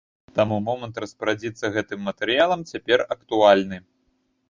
Таму момант распарадзіцца гэтым матэрыялам цяпер актуальны.